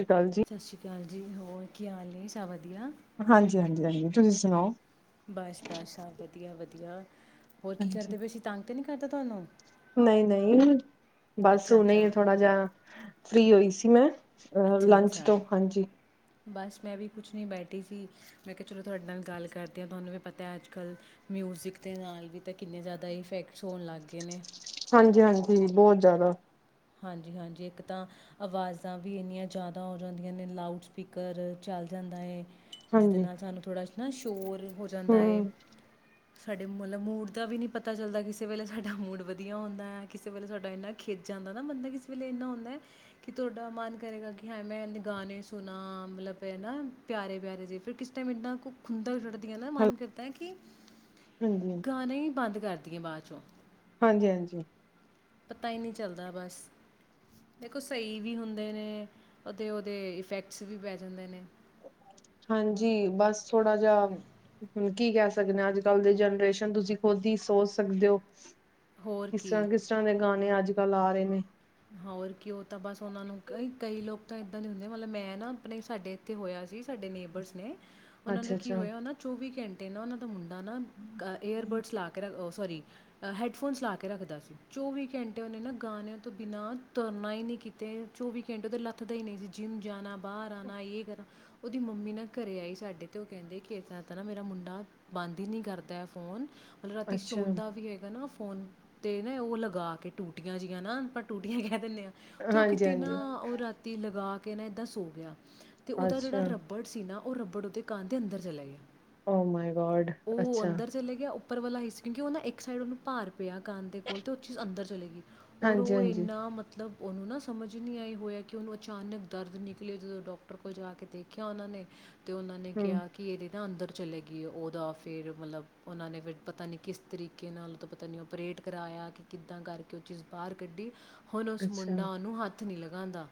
ਸਤਿ ਸ਼੍ਰੀ ਅਕਾਲ ਜੀ। ਸ ਸ੍ਰੀ ਕਾਲ। ਜੀ ਹੋਰ ਕੀ ਹਾਲੀ ਏ ਸਾ ਹਾਂਜੀ ਹਾਂਜੀ। ਜੀ ਤੁਸੀਂ ਸੁਣਾਓ? ਬਸ਼ ਬਸ਼ ਸਭ ਬਹੁਤ ਵਧੀਆ ਵਧੀਆ। ਹੋਰ ਕੀ ਹਾਂਜੀ। ਕਰਦੇ ਪਏ ਸੀਂ ਤੰਗ ਤੇ ਨੀ ਕਰ ਤਾ ਤੁਹਾਨੂੰ। ਨਹੀਂ ਨਹੀਂ। ਬਸ, ਅੱਛਾ ਹੁਨੇ ਅੱਛਾ ਥੋੜਾ ਜਾ ਫਰੀ ਹੋਈ ਸੀ ਮੈ ਅਹ, ਅੱਛਾ ਲੰਚ ਅੱਛਾ ਤੋਂ ਹਾਂਜੀ। ਬਸ ਮੈਂ ਵੀ ਕੁਛ ਨਹੀਂ ਬੈਠੀ ਸੀ, ਮੈਂ ਕਿਹਾ ਚਲੋ ਤੁਹਾਡੇ ਨਾਲ ਗੱਲ ਕਰਦੀ ਹਾਂ ਤੁਹਾਨੂੰ ਵੀ ਪਤਾ ਹੈ ਅੱਜ ਕੱਲ੍ਹ ਮਿਊਜ਼ਿਕ ਦੇ ਨਾਲ ਵੀ ਤੇ ਕਿੰਨੇ ਜੈਦਾ ਇਫੈਕਟਸ ਹੋਣ ਲੱਗ ਗਏ ਨੇ। ਹਾਂਜੀ ਹਾਂਜੀ ਬਹੁਤ ਜਿਆਦਾ ਹਾਂਜੀ ਹਾਂਜੀ, ਇੱਕ ਤਾਂ ਆਵਾਜ਼ਾਂ ਵੀ ਇੰਨੀਆਂ ਜਿਆਦੀਆਂ ਹੋ ਜਾਂਦੀਆਂ ਨੇ ਲਾਊਡ ਸਪੀਕਰ ਚੱਲ ਜਾਂਦਾ ਏ। ਜਿਹਦੇ ਹਾਂਜੀ। ਨਾਲ ਸਾਨੂੰ ਥੋੜ੍ਹਾ ਨਾ ਸ਼ੋਰ ਹੋ ਹੂੰ ਜਾਂਦਾ ਏ। ਸਾਡੇ ਮਲਬ ਮੂਡ ਦਾ ਵੀ ਨ੍ਹੀ ਪਤਾ ਚੱਲਦਾ ਕਿਸੇ ਵੇਲੇ ਸਾਡਾ ਮੂਡ ਵਧੀਆ ਹੁੰਦੈ, ਕਿਸੇ ਵੇਲੇ ਸਾਡਾ ਇੰਨਾ ਖੇਜ ਜਾਂਦ ਬੰਦਾ ਕਿਸ ਵੇਲੇ ਇੰਨਾ ਹੁੰਦੈ ਕਿ ਤੁਹਾਡਾ ਮਨ ਕਰੇਗਾ ਕਿ ਹਾਏ ਮੈਂ ਇਣੇ ਗਾਣੇ ਸੁਣਾ ਮਲਬ ਹੈਨਾ ਪਿਆਰੇ ਪਿਆਰੇ ਜੇ ਫਿਰ ਕਿਸ ਟਾਈਮ ਇਨਾ ਕ ਖੁੰਦੰਕ ਚੜ ਦੀ ਏ ਨਾ ਹਾਂਜੀ ਮਨ ਕਰਦੈ ਕਿ ਹਾਂਜੀ ਗਾਣਾ ਹੀ ਬੰਦ ਕਰਦ ਕੇ ਬਾਦ ਚੋ ਹਾਂਜੀ ਹਾਂਜੀ। ਪਤਾ ਹੀ ਨਹੀਂ ਚੱਲਦਾ ਬਸ ਦੇਖੋ ਸਹੀ ਵੀ ਹੁੰਦੇ ਨੇ ਉਹਦੇ ਓਹਦੇ ਇਫੈਕਟਸ ਵੀ ਪੈ ਜਾਂਦੇ ਨੇ। ਹਾਂਜੀ, ਬਸ ਥੋੜਾ ਜਾ ਹੁਣ ਕੀ ਕਹ ਸਕਦੇ ਹਾਂ ਅੱਜ ਕੱਲ੍ਹ ਦੀ ਜੈਨਰੇਸ਼ਨ ਤੁਸੀਂ ਖੁਦ ਹੀ ਸੋਚ ਸਕਦੇ ਹੋ। ਹੋਰ ਕਿਸ ਕੀ ਤਰ੍ਹਾਂ ਕਿਸ ਤਰ੍ਹਾਂ ਦੇ ਗਾਣੇ ਅੱਜ ਅੱਜ ਕੱਲ ਆ ਰਹੇ ਨੇ। ਹੋਰ ਕਿ ਓਹ ਤਾਂ ਬਸ ਓਨਾਂ ਨੂੰ ਕਈ ਕਈ ਲੋਕ ਤਾਂ ਇੱਦਾਂ ਦੇ ਹੁੰਦੇ ਮਤਲਬ ਮੈਂ ਨਾ ਆਪਣੇ ਸਾਡੇ ਇੱਥੇ ਹੋਇਆ ਸੀ। ਸਾਡੇ ਨੇਬਰਸ ਨੇ ਓਨਾਂ ਦਾ ਅੱਛਾ ਕੀ ਅੱਛਾ। ਹੋਇਆ ਓਹ ਨਾ ਚੌਵੀ ਘੰ ਦਿਲੋਂ ਉਹਨਾਂ ਤੋਂ- ਨਾ ਏਅਰਬਡਸ ਲਾ ਕੇ ਰ ਸੋਰੀ ਹੈਡਫੋਨਸ ਲਾ ਕੇ ਰੱਖਦਾ ਸੀ ਚੌਵੀ ਘੰਟੇ ਉਹਨੇ ਨਾ ਗਾਣੇਿਆਂ ਤੋਂ ਬਿਨਾਂ ਤੁਰਨਾ ਹੀ ਨਹੀਂੀ ਕੀਤੇ ਚੋਵੀ ਘੰਟੇਓਦੇ ਲੱਥ ਦਾ ਨਹੀਂ ਸੀ ਜਿੰਮ ਜਾਣਾ ਬਾਹਰ ਆਉਣਾ ਇਹ ਕਰਨਾ ਉਹਓਦੀ ਮੰਮੀ ਨਾ ਘਰੇ ਆਈ ਸਾਡੇ ਤੇ ਉਹ ਕਹਿੰਦੇ ਕਿ ਨਾ ਮੇਰਾ ਮੁੰਡਾ ਬੰਦ ਹੀ ਨ ਕਰਦਾ ਫੋਨ ਮਤਲਬ ਰਾਤੀ ਅੱਛਾ ਸੌਂਦਾ ਵੀ ਹੈਗਾ ਨਾ ਫੋਨ 'ਤੇ ਨਾ ਉਹ ਲਗਾ ਕੇ ਟੂਟੀਆਂ ਜਿਹੀਆਂ ਨਾ ਟੂਟੀਆਂ ਗਿਆ। ਦਿੰਦੇ ਆਂ ਤੇ ਉਹ ਹਾਂਜੀ ਕਿਤੇ ਨਾ ਹਾਂਜੀ ਉਹ ਰਾਤੀ ਲਗਾ ਕੇ ਕਹ ਨਾ ਇਹੱਦਾਂੱਸ ਹੋ ਗਿਆ [unintelligible] ਤੇ ਉਹਦਾ ਜਿਹੜਾ ਅੱਛਾ ਰੱਬੜ ਸੀ ਨਾ ਉਹ ਰਬੜ ਉਹਦੇ ਕਾਂ ਦੇ ਅੰਦਰ ਚਲਾ ਗਿਆ। ਓ ਮਾਈ ਗੋਡ, ਉਹ ਅੱਛਾ। ਅੰਦਰ ਚਲੇ ਗਿਆ ਉੱਪਰ ਵਾਲਾ ਹੀ ਸੀ ਕਿਉਂਕਿ ਉਹ ਨਾ ਇੱਕ ਸਾਈਡ ਉਹਨੂੰ ਭਾਰ ਪਿਆ ਕੰਧ ਦੇ ਕੋਲ ਅਤੇ ਉਹ ਚੀਜ਼ ਅੰਦਰ ਚਲੇ ਗਈ। ਉਹ ਹਾਂਜੀ-ਹਾਂਜੀ ਇੰਨਾ ਮਤਲਬ ਉਹਨੂੰ ਨਾ ਸਮਝ ਨਹੀਂ ਆਈ ਹੋਇਆ ਕਿ ਉਹਨੂੰ ਅਚਾਨਕ ਦਰਦ ਨਿਕਲੀ ਜਦੋਂ ਡਾਕਟਰ ਕੋਲ ਜਾ ਕੇ ਦੇਖਿਆ ਉਹਨਾਂ ਨੇ ਤੇ ਉਹਨਾਂ ਨੇ ਹੂੰ ਕਿਹਾ ਕਿ ਇਹਦੇ ਨਾ ਅੰਦਰ ਚਲੇਗੀਈ ਉਹਦਾ ਫੇਰ ਮਤਲਬ ਉਹਨਾਂ ਨੇ ਫਿਰ ਪਤਾ ਨੀ ਕਿਸ ਤਰੀਕੇ ਨਾਲ ਉਹ ਤੋਂ ਪਤਾ ਨੀ ਉਹਓਪਰੇਟ ਕਰਵਾਇਆ ਕਿ ਕਿੱਦਾਂ ਕਰਕੇ ਉਹ ਚੀਜ਼ ਬਾਹਰ ਗੱਡੀ ਹੁਣ ਉਸ ਅੱਛਾ ਮੁੰਡਾ ਉਹਨੂੰ ਹੱਥ ਹੱਥ ਨਹੀਂ ਲਗਾਾਉਂਦਾ।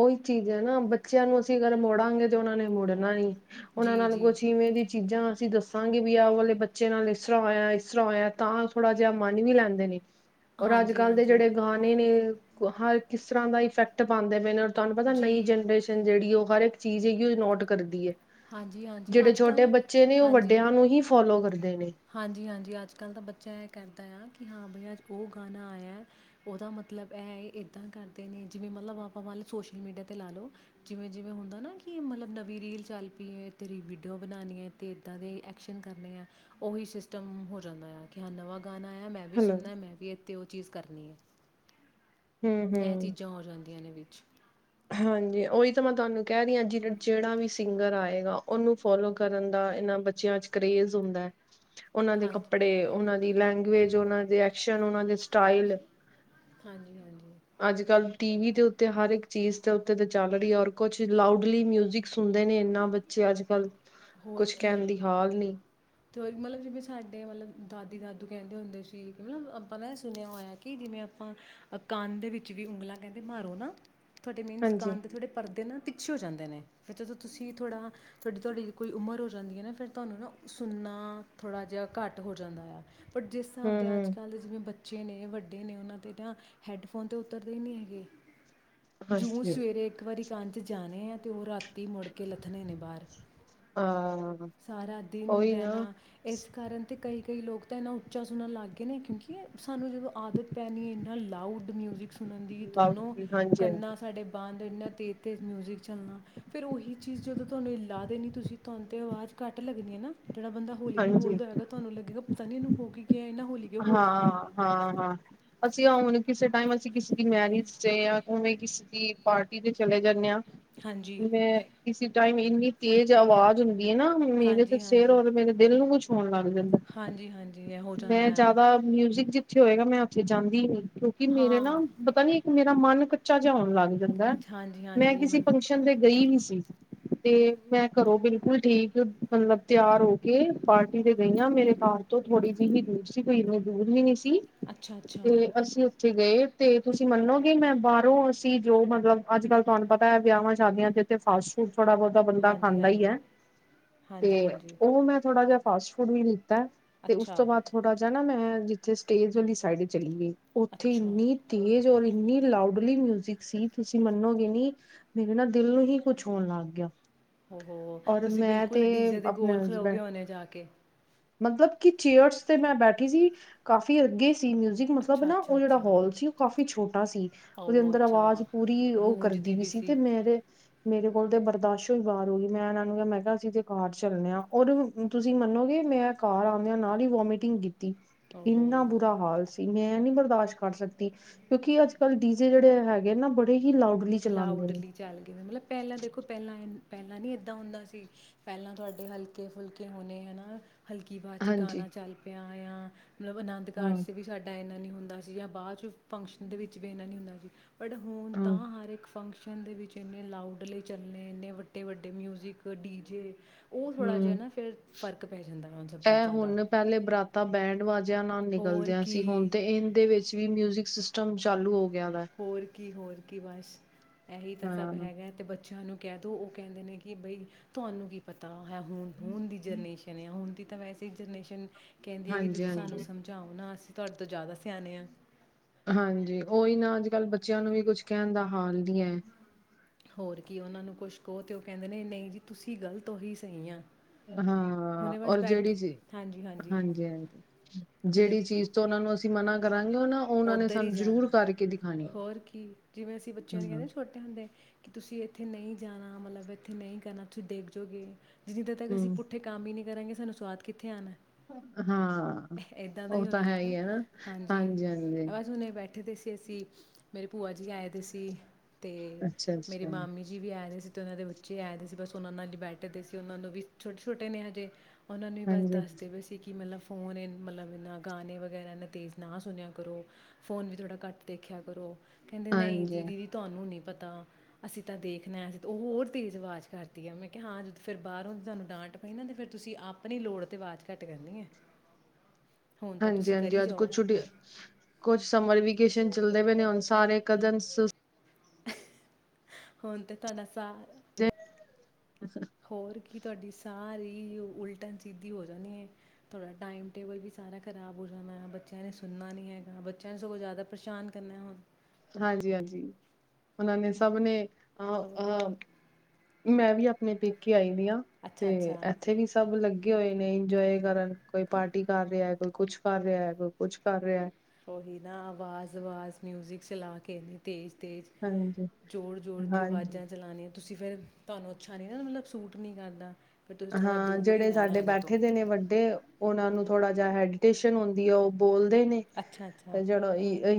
ਉਹੀ ਚੀਜ਼ ਹੈ ਨਾ ਬੱਚਿਆਂ ਨੂੰ ਅਸੀਂ ਅਗਰ ਮੁੜਾਂਗੇ ਤੇ ਉਹਨਾਂ ਨੇ ਮੁੜਨਾ ਨਹੀ। ਉਹਨਾਂ ਜੀ ਨਾਲ ਜੀ ਕੁਛ ਇਵੇਂ ਦੀ ਚੀਜ਼ਾਂ ਅਸੀਂ ਦੱਸੋ ਦੱਸਾਂਗੇ ਵੀ ਆਹ ਉਹ ਵਾਲੇ ਬੱਚੇ ਨਾਲ ਇਸ ਤਰ੍ਹਾਂ ਹੋਇਆ ਇਸ ਤਰ੍ਹਾਂ ਹੋਇਆ ਤਾਂ ਥੋੜ੍ਹਾ ਜਿਹਾ ਮੰਨ ਵੀ ਲੈਂਦੇ ਨੇ। ਔਰ ਅੱਜ- ਹਾਂਜੀ ਕੱਲ੍ਹ ਦੇ ਹਾਂਜੀ ਜਿਹੜੇ ਗਾਣੇ ਨੇ ਹਰ ਕਿਸ ਤਰ੍ਹਾਂ ਦਾ ਇਫੈਕਟ ਪਾਉਂਦੇ ਨੇ। ਮ ਤੁਹਾਨੂੰ ਪਤਾ ਨਵੀ ਜੀ ਜਨਰੇਸ਼ਨ ਜਿਹੜੀ ਉਹ ਹਰ ਇੱਕ ਚੀਜ਼ ਹੈਗੀ ਉਹ ਨੋਟ ਕਰਦੀ ਹੈ। ਹਾਂਜੀ ਹਾਂਜੀ ਜਿਹੜੇ ਅੱਜ ਛੋਟੇ ਬੱਚੇ ਨੇ ਕੱਲ੍ਹ ਉਹ ਹਾਂਜੀ ਵੱਡਿਆਂ ਨੂੰ ਹੀ ਫੋਲੋ ਕਰਦੇ ਨੇ। ਹਾਂਜੀ ਹਾਂਜੀ ਅੱਜ ਕੱਲ੍ਹ ਦਾ ਬੱਚਾ ਇਹ ਕਰਦਾ ਆ ਕਿ ਹਾਂ ਬਈ ਅੱ ਉਹ ਗਾਣਾ ਆਇਆ ਉਹਦਾ ਮਤਲਬ ਇਹ ਇੱਦਾਂ ਕਰਦੇ ਨੇ ਜਿਵੇਂ ਮਤਲਬ ਆਪਾਂ ਮੰਨ ਲ ਸੋਸ਼ਲ ਮੀਡੀਆ 'ਤੇ ਲਾ ਲਓ ਜਿਵੇਂ ਜਿਵੇਂ ਹੁੰਦਾ ਨਾ ਕਿ, ਮਤਲਬ ਨਵੀਂ ਰੀਲ ਚੱਲ ਪਈ ਹੈ ਤੇਰੀ ਵੀਡੀਓ ਬਣਾਉਣੀ ਹੈ ਅਤੇ ਇੱਦਾਂ ਦੇ ਐਕਸ਼ਨ ਕਰਨੇ ਆ। ਉਹੀ ਸਿਸਟਮ, ਹੋ ਜਾਂਦਾ ਆ ਕਿ ਹ ਨਵਾਂ ਗਾਣਾ ਆਇਆ ਮੈਂ ਵੀ ਹੈਲੋ ਸੁਣਨਾ ਮੈਂ ਵੀ ਇੱਥੇ ਉਹ ਚੀਜ਼ ਕਰਨੀ ਹੈ। ਇਹ ਹੂੰ-ਹੂੰ ਚੀਜ਼ਾਂ ਹੋ ਜਾਂਦੀਆਂ। ਦੀਆਂ ਨੇ ਵਿੱਚ ਹਾਂਜੀ, ਉਹੀ ਤਾਂ ਮੈਂ ਤੁਹਾਨੂੰ ਕਹਿ ਰਹੀ ਹਾਂ ਜਿਹੜਾ ਵੀ ਸਿੰਗਰ ਆਏਗਾ ਉਹਨੂੰ ਫੋਲੋ ਕਰਨ ਦਾ ਇਹਨਾਂ ਬੱਚਿਆਂ ਚ ਕਰੇਜ਼ ਹੁੰਦਾ। ਉਹਨਾਂ ਦੇ ਹਾਂਜੀ ਕੱਪੜੇ ਉਹਨਾਂ ਦੀ ਲੈਂਗੁਏਜ ਉਹਨਾਂ ਦੇ। ਐਕਸ਼ਨ ਉਹਨਾਂ ਦੇ ਸਟਾਈਲ ਹਾਂਜੀ -ਹਾਂਜੀ। ਅੱਜ ਕੱਲ੍ਹ ਟੀ ਵੀ ਦੇ ਉੱਤੇ ਹਰ ਇੱਕ ਚੀਜ਼ ਦੇ ਉੱਤੇ ਚੱਲ ਰਹੀ ਹੈ ਔਰ ਕੁਛ ਲਾਊਡਲੀ ਮਿਊਜਿਕ ਸੁਣਦੇ ਨੇ ਇੰਨਾ ਬੱਚੇ ਅੱਜ -ਕੱਲ ਹੋਰ ਕੁਛ ਕੀ ਕਹਿਣ ਦੀ ਹਾਲ ਨੀ, ਤੇ ਮਤਲਬ ਜਿਵੇਂ ਸਾਡੇ ਮਤਲਬ ਦਾਦੀ ਦਾਦੂ ਕਹਿੰਦੇ ਹੁੰਦੇ ਸੀ, ਕਿ ਮਤਲਬ ਆਪਾਂ ਨਾ ਇਹ ਸੁਣਿਆ ਹੋਇਆ, ਕਿ ਜਿਵੇਂ ਆਪਾਂ ਕੰਨ ਦੇ ਵਿੱਚ ਵੀ ਉਂਗਲਾਂ ਕਹਿੰਦੇ ਮਾਰੋ ਨਾ ਤੁਹਾਡੇ ਮੀਨਸ ਹਾਂਜੀ ਕੰਨ ਦੇ ਥੋਡੇ ਪਰਦੇ ਨਾ ਪਿੱਛੇ ਹੋ ਜਾਂਦੇ। ਫਿਰ ਜਦੋਂ ਤੁਸੀਂ ਥੋੜ੍ਹਾ ਤੁਹਾਡੀ-ਤੁਹਾਡੀ ਕੋਈ ਉਮਰ ਹੋ ਜਾਂਦੀ ਹੈ, ਨਾ ਫਿਰ ਤੁਹਾਨੂੰ ਨਾ ਸੁਣਨਾ ਥੋੜ੍ਹਾ ਜਿਹਾ ਘੱਟ ਹੋ ਜਾਂਦਾ ਆ। ਬਟ ਜਿਸ ਹਿਸਾਬ ਬ ਹੂੰ ਦੇ ਅੱਜ ਹੂੰ ਕੱਲ੍ਹ ਦੇ ਜਿਵੇਂ ਬੱਚੇ ਬੱਚੇ ਨੇ ਵੱਡੇ ਨੇ ਉਹਨਾਂ ਤੇ ਤਾਂ ਹੈਡਫੋਨ ਤੇ ਉਤਰਦੇ ਹੀ ਨਹੀਂ ਹੈਗੇ। ਜੂ ਹਾਂਜੀ ਸਵੇਰੇ ਇੱਕ ਵਾਰੀ ਕੰਨ ਚ ਜਾਣੇ ਆ ਤੇ ਉਹ ਰਾਤੀ ਮੁੜ ਕੇ ਲੱਥਣੇ ਨੇ ਬਾਹਰ ਹਾਂ, ਸਾਰਾ ਦਿਨ ਉਹੀ ਨਾ ਰਹਿਣਾ ਇਸ ਕਾਰਨ ਤੇ, ਕਈ ਕਈ ਲੋਕ ਤਾਂ ਇੰਨਾ ਉੱਚਾ ਸੁਣਣਾ ਲੱਗ ਗਿਆ। ਕਿਉਂਕਿ ਸਾਨੂੰ ਜਦੋ ਆਦਤ ਪੈਣੀ ਐ, ਐਨਾ ਲਾਉਡ ਮਿਊਜਿਕ ਸੁਣਨ ਦੀ ਦੋਨੋ ਲਾਊਡਲੀ ਹਾਂਜੀ ਹਾਂਜੀ ਟੰਨਾ ਸਾਡੇ ਬੰਦ ਤੇਜ-ਤੇਜ ਮਿਊਜਿਕ, ਚੱਲਣਾ, ਫਿਰ ਉਹੀ ਚੀਜ਼ ਜਦੋਂ ਤੁਹਾਨੂੰ ਐ ਲਾ ਦੇਣੀ ਤੁਹਾਨੂੰ ਕੰਨ ਤੇ ਆਵਾਜ਼, ਘੱਟ ਲੱਗਦੀਆਂ ਨਾ, ਜਿਹੜਾ ਬੰਦਾ ਹੋਲੀ ਵੀ ਹਾਂਜੀ ਬੋਲਦਾ ਹੈਗਾ ਤੁਹਾਨੂੰ ਲਗੇਗਾ, ਪਤਾ ਨਹੀਂ ਇਹਨੂੰ ਹੋਗੀ। ਹਾਂ-ਹਾਂ-ਹਾਂ ਅਸੀਂ ਹੁਣ, ਕਿਸੇ ਟਾਈਮ ਅਸੀਂ ਕਿਸੇ ਦੀ ਮੈਰਿਜ ਤੇ ਜਾਂਵੇਂ, ਕਿਸੇ ਦੀ ਪਾਰਟੀ ਦੇ ਚਲੇ ਜਾਂਨੇ ਹਾਂ ਹਾਂਜੀ ਮੈਂ ਕਿਸੀ ਟਾਈਮ, ਹਿੰ ਤੇਜ ਆਵਾਜ਼ ਹੁੰਦੀ ਹੈ, ਨਾ ਮੇਰੇ ਤੇ ਸਿਰ ਔਰ ਮੇਰੇ ਦਿਲ ਨੂੰ ਕੁਛ ਹੋਣ ਲੱਗ। ਜਾਂਦਾ ਹਾਂਜੀ-ਹਾਂਜੀ, ਮੈਂ ਜ਼ਿਆਦਾ ਮਿਊਜਿਕ ਦੀ ਉੱਥੇ ਹੋਏਗਾ, ਮੈਂ ਉੱਥੇ ਜਾਂਦੀ ਨੀ ਕਿਉਂਕਿ ਮੇਰੇ ਹਾਂ ਨਾ ਪਤਾ ਨੀ ਮੇਰਾ ਮਨ ਕੱਚਾ ਜਿਹਾ ਹੋਣ ਲੱਗ ਜਾਂਦਾ, ਹਾਂਜੀ ਮੈਂ ਹਾਂਜੀ ਕਿਸੇ ਮਤਲਬ ਫੰਕਸ਼ਨ ਤੇ ਗਈ ਵੀ ਸੀ। ਤੇ ਮੈਂ ਘਰੋ ਬਿਲਕੁਲ ਠੀਕ ਮਤਲਬ ਤਿਆਰ ਹੋ ਪਾ ਟੀ ਤੇ ਗਈ ਆਂ ਮੇਰੇ ਘਰ ਤੋਂ, ਥੋੜੀ ਜੀ ਕਿਨੀ ਦੂਰ ਸੀ ਕੋਈ ਏਨਾ ਦੂਰ ਵੀ ਨੀ ਸੀ। ਅੱਛਾ-ਅੱਛਾ, ਤੇ ਅਸੀਂ ਉੱਥੇ ਗਏ ਤੇ ਤੁਸੀਂ ਮੰਨੋਗੇ, ਮੈਂ ਬਾਹਰੋਂ ਅਸੀਂ ਜੋ ਮਤਲਬ ਅੱਜ ਕੱਲ ਤੁਹਾਨੂੰ ਪਤਾ ਹੈ ਵਿਆਹਾਂ ਸ਼ਾਦੀਆਂ ਦੇ ਤੇ ਫਾਸਟ ਫੂਡ ਥੋੜਾ ਬਹੁਤਾ ਬੰਦਾ ਹਾਂਜੀ ਖਾਂਦਾ ਹੀ ਹਾਂਜੀ ਹੈ, ਹਾਂਜੀ ਤੇ ਹਾਂਜੀ ਉਹ ਮੈਂ ਥੋੜਾ ਜਿਹਾ ਫਾਸਟ ਫੂਡ ਵੀ ਨੀ ਬਸ [unintelligible] ਉਤੋ ਅੱਛਾ ਬਾਦ ਥੋੜਾ ਜਿਹਾ ਨਾ ਮੈਂ, ਵਿਚੇ ਸਟੇਜ ਵਾਲੀ ਸਾਈਡ ਚਲੀ ਗਈ। ਉੱਥੇ ਅੱਛਾ ਇੰਨੀ ਤੇਜ਼ ਔਰ ਇੰਨੀ ਲਾਉ ਬੁਲੀ ਮਿਊਜਿਕ ਸੀ ਤੁਸੀਂ ਮੰਨੋਗੇ ਨਹੀਂ ਮੇਰੇ ਨਾ ਦਿਲ ਨੂੰ ਹੀ ਕੁਛ ਹੋਣ ਲੱਗ ਗਿਆ। ਉਹੋ ਔਰ ਤੁਸੀਂ ਮੈਂ ਬਿਲਕੁਲ ਤੇ ਡੀਜੇ ਦੇ ਆਪਣੇ ਕੋਲ ਹਸਬੈਂਡ ਖਲੋਗੇ ਹੋਣੇ ਆ ਜਾ ਕੇ, ਮਤਲਬ ਕਿ ਚੇਅਰਸ ਤੇ ਮੈਂ ਬੈਠੀ ਸੀ, ਕਾਫੀ ਅੱਗੇ ਸ ਈ ਮਿਊਜਿਕ ਮਤਲਬ ਅੱਛਾ ਨਾ ਅੱਛਾ ਉਹ ਜਿਹੜਾ ਅੱਛਾ ਹੋਲ ਸੀ, ਉਹ ਕਾਫੀ ਛੋਟਾ ਸੀ ਉਹਦੇ ਉਹ ਅੰਦਰ ਆਵਾਜ਼ ਅੱਛਾ ਪੂਰੀ ਉਹ ਕਰਦੀ ਗੂੰਜਦੀ ਵੀ ਪਈ ਸੀ, ਤੇ ਮੇਰੇ ਮੇਰੇ ਕੋਲ ਤੇ ਬਰਦਾਸ਼ੋ ਹੀ ਬਾਹਰ ਹੋ ਗਈ, ਮੈਂ ਇਹਨਾਂ ਨੂੰ ਕਿਹਾ ਮੈਂ ਕਿਹਾ ਅਸੀਂ ਤੇ ਕਾਰ ਚਲਣੇ ਆ ਉਹ ਤੁਸੀਂ ਮੰਨੋਗੇ। ਮੈਂ ਘਰ ਆਦੀਆ ਨਾਲ ਹੀ ਵੋਮਟਿੰਗ ਕੀਤੀ। ਉਹ ਇਨਾ ਹੋ ਬੁਰਾ ਹਾਲ ਸੀ ਮੈਂ ਨਹੀਂ ਬ ਕਾਸ ਕਰ ਸਕਦੀ, ਕਿਉਂਕਿ ਅੱਜ ਕੱਲ ਡੀਜੇ ਜਿਹੜੇ ਹੈਗੇ ਨਾ ਬੜੇ ਹੀ ਲਾਊਡਲੀ ਚਲਾਉਂਦੇ ਨੇ ਲਾਊਡਲੀ ਚੱਲ ਗਈ, ਮਤਲਬ ਪਹਿਲਾਂ ਦੇਖੋ ਪਹਿਲਾਂ। ਪਹਿਲਾਂ ਨੀ ਏਦਾਂ ਹੁੰਦਾ ਸੀ, ਪਹਿਲਾਂ ਤੁਹਾਡੇ ਹਲਕੇ ਫੁਲਕੇ ਹੋਣੇ ਹਨਾ। ਹਲਕੀ ਆਵਾਜ਼ ਚ ਹਾਂਜੀ ਗਾਣਾ ਚੱਲ ਪਿਆ। ਆ ਮਤਲਬ ਆਨੰਦ ਕਾਰ ਹਾਂ 'ਚ ਵੀ ਸਾਡਾ ਇਹਨਾ ਨਹੀਂ, ਹੁੰਦਾ ਸੀ, ਜਾਂ ਬਾਅਦ ਚ ਫੰਕਸ਼ਨ ਦੇ ਵਿੱਚ ਵੀ ਇਹਨਾ ਨੀ ਹੁੰਦਾ ਸੀ। ਪਰ ਹੁਣ ਹਾਂ ਤਾਂ ਹਾਰ ਫੰਕਸ਼ਨ ਦੇ ਵਿੱਚ ਇੰਨੇ ਲਾਊਡ ਲਈ ਚੱਲਣੇ ਇੰਨੇ ਵੱਡੇ-ਵੱਡੇ ਮਿਊਜਿਕ ਡੀ-ਜੇ, ਹੂੰ, ਹੁਣ ਸਭ ਇਹ ਚੀਜ਼ਾਂ ਦਾ ਹੁਣ ਪਹਿਲੇ ਬਰਾਤਾ ਬਹਿਣ ਵਾਜ ਨਾਲ ਔਰ ਨਿਕਲਦਿਆਂ ਸੀ, ਹੁਣ ਕੀ ਤੇ ਇਹਦੇ ਵਿੱਚ ਵੀ ਮਿਊਜ਼ਿਕ ਸਟਮ ਸਮ ਚਾਲੂ ਹੋ, ਗਿਆ ਦਾ ਹੋਰ ਕੀ ਹੋਰ ਕੀ ਬਸ ਇਹੀ ਤਾਂ ਸਭ ਹਾਂ। ਹੈਗਾ ਤੇ ਬੱਚਿਆਂ ਨੂੰ ਕਹਿ ਦੋ ਉਹ ਕਹਿੰਦੇ ਨੇ ਕਿ ਬਈ ਤੁਹਾਨੂੰ ਕੀ ਪਤਾ। ਹੁਣ-ਹੁਣ ਦੀ ਜਨਰੇਸ਼ਨ ਆ ਹੁਣ ਦੀ ਤਾਂ ਵੇ, ਜਨਰੇਸ਼ਨ ਕਹਿੰਦੀ ਹੈ, ਕਿ ਹਾਂਜੀ, ਤੁਸੀਂ ਸਾਨੂੰ ਹਾਂਜੀ। ਸਮਝਾਓ ਨਾ ਅਸੀਂ ਤੁਹਾਡੇ ਤੋਂ ਜ਼ਿਆਦਾ ਸਿਆਣੇ ਆ। ਹਾਂਜੀ ਉਹੀ ਨਾ ਅੱਜ ਕੱਲ੍ਹ ਬੱਚਿਆਂ ਨੂੰ ਵੀ ਕੁਝ ਕਹਿਣ ਦਾ ਹਾਲ ਨੀ ਹੈ। ਹੋਰ ਕੀ ਉਹਨਾਂ ਨੂੰ ਕੁਛ ਕਹੋ ਤੇ ਉਹ ਕਹਿੰਦੇ ਨੇ - ਨਹੀਂ ਜੀ ਤੁਸੀਂ ਗ਼ਲਤ ਔ ਅਹੀ ਸਹੀ ਆਂ। ਹਾਂ! ਔਰ ਜਿਹੜੀ ਚੀਜ਼ ਹਾਂਜੀ ਹਾਂਜੀ ਹਾਂਜੀ-ਹਾਂਜੀ ਹੁਣੇ ਜਿਹੜੀ ਚੀਜ਼ ਤੋਂ ਉਹਨਾਂ ਨੂੰ ਅਸੀਂ ਮਨਾ ਕਰਾਂਗੇ ਉਹ ਨਾ ਉਹਨਾਂ ਨੇ ਉੱਧਰ ਹੀ ਸਾਨੂੰ ਜ਼ਰੂਰ ਜਾਣਾ ਕਰਕੇ ਦਿਖਾਣੀ ਹੈ। ਹੋਰ ਕੀ ਜਿਵੇਂ ਅਸੀਂ ਬੱਚਿਆਂ ਨੂੰ ਕਹਿੰਦੇ ਹੂੰ, ਨਾ ਛੋਟੇ ਹੁੰਦੇ, ਕਿ ਤੁਸੀਂ ਇੱਥੇ ਨਹੀਂ ਜ ਜਾਣਾ ਮਤਲਬ ਇੱਥੇ ਨਹੀਂ ਕਰਨਾ ਤੁਸੀਂ ਡੇਗ ਜੌਗੇ ਜਿ-ਜਿੱਦਾਂ ਪੈਲੇ ਅਸੀਂ ਹੂੰ, ਪੁੱਠੇ ਕੰਮ ਈ ਨੀ ਕਰਾਂਗੇ ਸਾਨੂੰ ਸਵਾਦ ਕਿੱਥੇ ਆਣਾ! ਹਾਂ ਇੱਦਾਂ ਦਾ ਉਹ ਤਾਂ ਹੈ ਹੀ ਹੈ ਨਾ ਹਾਂਜੀ-ਹਾਂਜੀ! ਬਾਸ ਹੁਣੇ ਬੈਠੇ ਦੇ ਸੀ। ਸੀ ਮੇਰੇ ਭੂਆ ਜੀ ਆਏ ਦੇ ਸੀ। ਤੇ ਅੱਛਾ, ਮਰੇ ਅੱਛਾ, ਮਾਮੀ ਜੀ ਵੀ ਆਏ ਦੇ ਸੀ। ਤੇ ਉਹਨਾਂ ਦੇ ਬੱਚੇ ਆਏਦੇ ਸੀ ਬਸ ਉਹਨਾ ਨਾਲ ਈ ਬੈਠੇ ਦੇ ਸੀ, ਉਹਨਾਂ ਨੂੰ ਵੀ - ਛੋਟੇ ਛੋਟੇ ਨੇ ਹਜੇ। ਉਹਨਾਂ ਨੂੰ ਵੀ ਬਸ ਹਾਂਜੀ। ਦੱਸਦੇ ਪਏ ਸੀਂ ਕਿ ਮਤਲਬ ਫੋਨ ਇ ਮਤਲਬ ਇਹਨਾਂ ਗਾਣੇ ਵਗੈਰਾ ਏਨਾ ਤੇਜ਼ ਨਾ ਸੁਣਿਆ ਕਰੋ। ਫੋਨ ਵੀ ਥੌੜਾ ਘੱਟ ਦੇਖਿਆ ਕਰੋ। ਕਹਿੰਦੇ ਨਹੀਂ ਹਾਂਜੀ, ਦੀਦੀ ਜੀ ਤੁਹਾਨੂੰ ਨੀ ਪਤਾ! ਅਸੀਂ ਤਾਂ ਦੇਖਣਾ ਅਸੀਂ ਉਹ ਹੋਰ ਤੇਜ਼ ਆਵਾਜ਼ ਕਰਦੀ ਆ ਮੈਂ ਕਿਹਾ ਹਾਂ ਜਦੋਂ ਫਿਰ ਬਾਹਰੋਂ ਤੁਹਾਨੂੰ ਡਾਂਟ ਪਈ ਨਾ ਤੇ ਫਿਰ ਤੁਸੀਂ ਆਪਣੀ ਲੋੜ ਤੇ ਆਵਾਜ਼ ਘੱਟ ਕਰਨੀ ਹੈ। ਹੁਣ ਤਾਂ ਹਾਂਜੀ, ਤੁਸੀਂ ਕਰੀ ਹਾਂਜੀ ਅੱਜ ਕੁਝ ਜਾਓ ਛੁੱਟੀ ਹੈ। [unintelligible] ਕੁਛ ਸਮਰ ਵੇਕੇਸ਼ਨ ਚੱਲਦੇ ਪਏ ਨੇ। ਹੁਣ ਸਾਰੇ ਕਦਮ [unintelligible] ਤੇ! ਹੋਰ ਕੀ ਤੁਹਾਡੀ ਸਾਰੀ ਉਲਟਨ ਸਿੱਧੀ ਹੋ ਜਾਣੀ ਹੈ! ਤੁਹਾਡਾ ਟਾਈਮ ਟੇਬਲ ਵੀ ਸਾਰਾ ਖ਼ਰਾਬ ਹੋ ਜਾਣਾ ਬੱਚਿਆਂ ਨੇ ਸੁਣਨਾ ਨਹੀਂੀ ਹੈਗਾ ਬੱਚਿਆਂ ਨੂੰ ਸਗੋਂ ਜ਼ਿਆਦਾ ਪਰੇਸ਼ਾਨ ਕਰਨਾ ਹੁਣ ਹਾਂਜੀ, ਹਾਂਜੀ। ਉਹਨਾਂ ਨੇ ਸਭ ਨੇ ਅਹ! ਹੋਰ ਅਹ! ਮੈਂ ਵੀ ਆਪਣੇ ਪੇ ਕੇ ਆਈ ਤੇ ਅੱਛਾ ਅੱਛਾ ਇੱਥੇ ਵੀ ਸਭ ਲੱਗੇ ਗੇ ਹੋਏ ਨੇ ਇੰਜੋਏ ਕਰਨ। ਕੋਈ ਪਾਰਟੀ ਕਰ ਰਿਹਾ। ਕੋਈ ਕੁਛ ਕਰ ਰਿਹਾ ਹੈ। ਕੋਈ ਕੁੱਛ ਕਰ ਰਿਹਾ। ਉਹੀ ਨਾ ਆਵਾਜ਼ - ਆਵਾਜ਼! ਮਿਊਜਿਕ ਚਲਾ ਕੇ ਇੰਨੀ ਤੇਜ਼ ਤੇ ਹਾਂਜੀ ਜੋਰ-ਜੋੋਰ ਦੀ ਹਾਂਜੀ ਆਵਾਜ਼ਾਂ ਚਲਾਨੀਆਂ ਤੁਸੀਂ। ਤੁਸੀਂ ਫੇਿਰ ਤੁਹਾਨੂੰ ਅੱਛਾ ਨੀ ਨਾ ਮਤਲਬ ਸੂਟ ਨੀ ਕਰਦਾ। [unintelligible] ਹਾਂ! ਦੂਰ ਹੀ ਜਿਹੜੇ ਰਹਿਣਾ ਸਾਡੇ ਇਹਦੇ ਤੋਂ ਬੈਠੇ ਦੇ ਨੇ ਵੱਡੇ। ਉਹਨਾਂ ਨੂੰ ਥੋੜਾ ਜਿਹਾ ਹੈਡੀਟੇਸ਼ਨ ਹੁੰਦੀ ਹੈ ਉਹ ਬੋਲ ਨੇ ਅੱਛਾ ਅੱਛਾ ਜਹੜੋ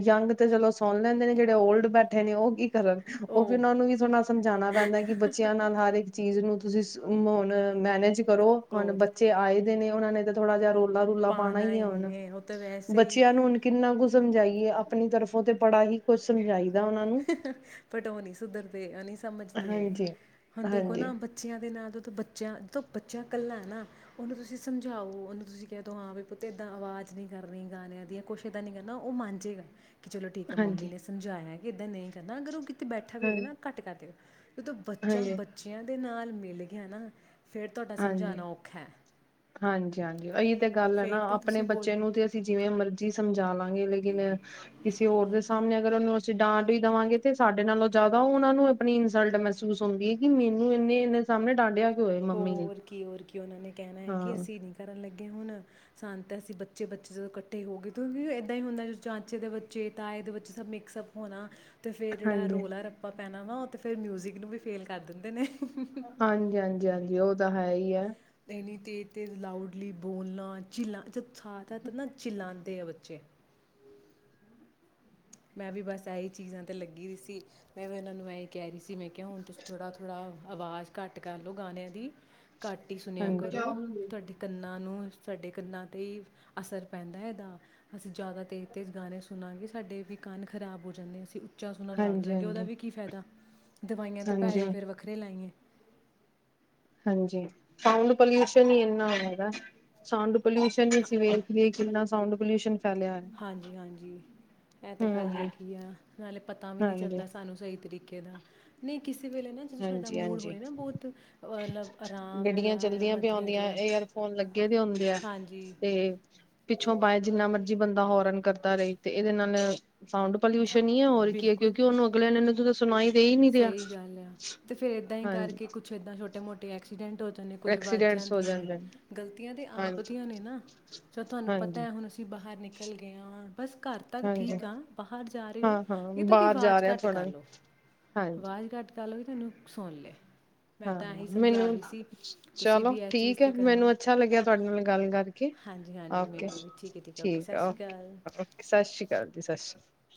ਯੰਗ। [unintelligible] ਚਲੋ ਸੁਣ ਲੈਂਦੇ ਨੇ। ਜਿਹੜੇ ਓਲਡ ਬੈਠੇ ਨੇ ਉਹ ਇੱਕਬ। [unintelligible] ਕਰਨ ਉਹ ਫਿਰ ਉਹ ਨੂੰ ਵੀ ਥੋੜ੍ਹਾ ਸਮਝਾਉਣਾ ਪੈਂਦਾ ਕਿ ਬੱਚਿਆਂ ਨਾਲ ਹਰ ਇੱਕ ਚੀਜ਼ ਨੂੰ। [unintelligible] ਤੁਸੀਂਮਣ ਮੈਨੇਜ ਕਰੋ ਹਨੁ ਹੋਰ ਬੱਚੇ ਆਏ ਦੇ ਨੇ। ਉਹਨਾਂ ਨੇ ਥੋੜਾ ਜਹਾ ਰੋ ਲਾ ਰੁਲਾ ਪਾਉਣਾ ਹੀ ਹੈ। ਹੁਣ ਬੱਚਿਆਂ ਨੂੰ ਹੁਣ ਕਿੰਨਾ ਕੁ ਸਮਝਾਈਏ ਆਪਣੀ ਤਰਫੋਂ ਤੇ ਪੜਾ ਹੀ ਕੁੱਝ ਸਮਝਾਈ ਪਟ ਉਹ ਨੀ ਸੁਧਰਦੇ ਉਹ ਨਹੀਂੀ ਸਮਝਦੇ ਹਾਂਜੀ ਹੁਣ ਦੇਖੋ ਹਾਂਜੀ ਨਾ ਬੱਚਿਆਂ ਦੇ ਨਾਂ ਤੋਂ। ਬੱਚਿਆਂ ਜਦੋਂ ਬੱਚਿਆਂ ਇਕੱਲਾ ਨਾ ਉਹਨੂੰ ਤੁਸੀਂ ਸਮਝਾਓ ਉਹਨੂੰ ਤੁਸੀਂ ਕਹਿ ਦੋ ਹਾਂ ਵੀ ਪੁੱਤ ਏਦਾਂ ਆਵਾਜ਼ ਨੀ ਕਰਨੀ ਗਾਣਿਆਂ ਦੀ ਕੁਛ ਏਦਾਂ ਨੀ ਕਰਨਾ ਉਹ ਮਨ ਜਾਏਗਾ। ਕਿ ਚਲੋ ਠੀਕ ਹੈ। ਮੰਮੀ ਹਾਂਜੀ ਨੇ ਸਮਝਾਇਆ। ਕਿੱਦਾਂ ਨਹੀਂ ਕਰਨਾ ਅਗਰ ਉਹ ਅਤੇ ਬੈਠਾ ਵੀ ਹਾਂ ਹੋਵੇਗਾ। ਨਾ ਘਟ ਕਰ ਦਿ ਗਾ। ਜਦੋਂ ਬੱਚਾ ਹਾਂਜੀ ਬੱਚਿਆਂ ਦੇ ਨਾਲ ਮਿਲ ਗਿਆ ਨਾ। ਫਿਰ ਤੁਹਾਡਾ ਹਾਂਜੀ, ਸਮਝਾਉਣਾ ਔਖਾ ਹੈ ਹਾਂਜੀ, ਹਾਂਜੀ। ਅਹੀਤੇ। ਤੇ ਗੱਲ ਹੈ ਨਾ ਫਿਰ ਤਾਂ ਆਪਣੇ ਤੁਸੀਂ ਬੋਲ ਬੱਚੇ ਨੂੰ ਤੇ ਅਸੀਂ ਜਿਵੇਂ ਮਰਜ਼ੀ ਸਮ ਜਾ ਲਾਂਗੇ ਲੇਕਿਨ ਕਿਸੇ ਹੋਰ ਦੇ ਸਾਹਮਣੇ ਅਗਰ ਉਹਨੂੰ ਅਸੀਂ ਡਾਂਟ ਹੀ ਦੇਵਾਂਗੇ ਤੇ ਸਾਡੇ ਨਾਲੋਂ ਜ਼ਿਆਦਾ ਉਹ ਉਹਨਾਂ ਨੂੰ ਆਪਣੀ ਇਨਸਲਟ ਮਹਿਸੂਸ ਹੁੰਦੀ ਹੈ ਕਿ ਮੈਨੂੰ ਇੰਨੇ ਇਨੇ ਸਾਹਮਣੇ ਡਾਂਟਿਆ ਹੋਰ ਕੀ ਹੋਰ ਕੀ ਉਹਨਾਂ ਨੇ ਕਹਿਣਾ ਹੈ ਕਿ ਹਾਂ ਅਸੀਂ ਨਹੀਂ ਕਰਨ ਲੱਗੇ ਹੁਣ ਸੰਤ ਅਸੀਂ ਬੱਚੇ ਬੱਚੇ ਜਦੋਂ ਇਕੱਠੇ ਹੋ ਗਏ ਕਿਉਂਕਿ ਏਦਾਂ ਹੀ ਹੁੰਦਾ ਚਾਚੇ ਦੇ ਬੱਚੇ ਤਾਏ ਦੇ ਬੱਚੇ ਸਭ ਮਿਕਸਅਪ ਹੋਣਾ ਅਤੇ ਫਿਰ ਜਿਹੜਾ ਹਾਂਜੀ। ਰੌਲਾ ਰੱਪਾ ਪੈਣਾ ਵਾ ਉਹ ਅਤੇ ਫਿਰ ਮਿਊਜ਼ਿਕ ਨੂੰ ਵੀ ਫੇਲ ਕਰ ਦਿੰਦੇ ਨੇ ਹਾਂਜੀ ਹਾਂਜੀ ਹਾਂਜੀ ਉਹ ਤਾਂ ਹੈ ਹੀ ਹੈ ਲਾਉਡਲੀ ਬੋਲਣਾ ਚਿੱ ਜ ਨਾ ਚਿੱਲਾਾਂਂਦੇ ਆ ਬੱਚੇ ਮੈਂ ਵੀ ਬਸ ਇਹੀ ਚੀਜ਼ਾਂ ਤੇ ਲੱਗੀ ਰ ਸੀ ਮੈਂ ਵੀ ਉਹਨਾਂ ਨੂੰ ਐਂ ਕਹਿ ਰਹੀ ਸੀ ਮੈਂ ਕਿਹਾ ਹੁਣ ਤੁਂ ਥੋੜ੍ਹਾ ਥੋੜ੍ਹਾ ਆਵਾਜ਼ ਘੱਟ ਕਰ ਲਓ ਗਾਣਿਆਂ ਦੀ ਘਾਟ ਹੀ ਸੁਣਿਆ ਹਾਂਜੀ। ਕਰੋ ਤੁਹਾਡੇ ਕੰਨਾਂ ਨੂੰ ਸਾਡੇ ਕੰਨਾਂ ਤੇ ਹੀ ਅਸਰ ਪੈਂਦਾ ਇਹਦਾ ਅਸੀਂ ਜ਼ਿਆਦਾ ਤੇਜ਼ ਤੇਜ਼ ਗਾਣੇ ਸੁਣਾਂਗੇ ਸਾਡੇ ਵੀ ਕੰਨ ਖਰਾਬ ਹੋ ਜਾਂਦੇ ਅਸੀਂ ਬੱਚਾ ਸੁਨਾ ਲੱਗ ਜਾਂਗੇ ਉਹਦਾ ਵੀ ਕੀ ਫਾਇਦਾ ਦਵਾਈਆਂ ਅਤੇ ਪੈਸੇ ਫਿਰ ਹਾਂਜੀ-ਹਾਂਜੀ-ਹਾਂਜੀ-ਹਾਂਜੀ ਵੱਖਰੇ ਲਾਈਆਂਏ ਹਾਂਜੀ ਸਾਊਂਡ ਪੋਲਿਊਸ਼ਨ ਹੀ ਇੰਨਾ ਹੈਗਾ ਸਾਂਡ ਪੋਲਿਊਸ਼ਨ ਨਹੀਂ ਸੀ ਵੇ ਕਿੰਨਾ ਸਾਊਂਡ ਪੋਲਿਊਸ਼ਨ ਫੈਲਿਆ ਹੈ ਹਾਂਜੀ ਹਾਂਜੀ ਇਹ ਤਾਂ ਗੱਲ ਹੂੰ ਹੈਗੀ ਆ ਨਾਲੇ ਪਤਾ ਵੀ ਨਹੀਂੀ ਹਾਂਜੀ। ਚੱਲਦਾ ਸਾਨੂੰ ਸਹੀ ਤਰੀਕੇ ਦਾ ਨਹੀਂ ਕਿਸੇ ਵੇਲੇ ਨਾ ਜਦੋਂ ਸਾਡਾ ਹਾਂਜੀ ਮੂਡ ਹਾਂਜੀ ਹੋਏ ਨਾ ਬਹੁਤ ਮਤਲਬ ਆਰਾਮ ਗੱਡੀਆਂ ਜਿਹਾ ਆ ਚਲਦੀਆਂ ਪ ਮਧੀਆ ਆਉਂਦੀਆਂ ਜਿਹਾ ਏਅਰਫੋਨ ਲੱਗੇ ਦੇ ਹੁੰਦੇ ਆ ਹਾਂਜੀ ਤੇ ਪਿੱਛੋਂ ਪਆ ਜਿੰਨਾ ਮਰਜ਼ੀ ਬੰਦਾ ਹਰਨ ਕਰਦਾ ਰਹੀ ਤੇ ਇਹਦੇ ਨਾਲ ਸਾਊਂਡ ਧ- ਪੋਿਊਸ਼ਨ ਹੀ ਹੈ ਹੋਰ ਕੀ ਹੈ ਬਿਲਕੁਲ ਕਿਉਂਕਿ ਉਹਨੂੰ ਅਗਲੇ ਨੇ ਇਹਨੂੰ ਸੁਣਾਈ ਦੇਹੀ ਨਹੀਂੀ ਰਿਹਾ ਸਹੀ ਗੱਲ ਆ ਤੇ ਫੇਰ ਏਦਾਂ ਹੀ ਹਾਂਜੀ ਕਰਕੇ ਕੁੱਛ ੱਦਾਂ ਛੋਟੇ ਮੋਟੇ ਐਕਸੀਡੈਂਟ ਨੇ ਕੁੱਝ ਵਾਜਾਂ ਐਕਸੀਡੈਂਟਸ ਹੋ ਦੀਆਂ ਨੇ ਜਾਂਦੇ ਗਲਤੀਆਂ ਤੇ ਆਪ ਹਾਂਜੀ ਦੀਆਂ ਨੇ ਨਾ ਚ ਤੁਹਾਨੂੰ ਪਤਾ ਹਾਂਜੀ ਹੈ ਹੁਣ ਅਸੀਂ ਬਾਹਰ ਨਿਕਲ ਗਏ ਹਾਂ ਬਸ ਘਰ ਤੱਕ ਹਾਂਜੀ ਠੀਕ ਆ ਬਾਹਰ ਜਾ ਰਹੇ ਹਾਂ ਹੋ ਇਹ ਹਾਂ ਤਾਂ ਉਹਦੀ ਬਾਹਰ ਜਾ ਆਵਾਜ਼ ਰਿਹਾ ਘੱਟ ਕਰ ਥੋੜਾ ਲੋ ਹਾਂਜੀ ਆਵਾਜ਼ ਘੱਟ ਕਰ ਲਓ ਤਨੂੰਸਣ ਲ ਹਾਂ ਮੈਨੂੰ ਤੁਸੀਂ ਚਲੋ ਵੀ ਇਹ ਚੀਜ਼ ਠੀਕ ਹੈ 'ਤੇ ਕਰਨਾ ਮੈਨੂੰ ਅੱਛਾ ਲੱਗਿਆ ਤੁਹਾਡੇ ਨਾਲ ਗੱਲ ਕਰਕੇ ਹਾਂਜੀ ਹਾਂਜੀ ਓਕੇ ਮੈਨੂੰ ਵੀ ਹੈ ਹੈ ਠੀਕ ਸਤਿ ਸ਼੍ਰੀ ਓਕੇ ਅਕਾਲ ਓ ਸਤਿ ਸ੍ਰੀ ਅਕਾਲ ਜੀ ਸਤਿ ਸ਼੍ਰੀ ਅਕਾਲ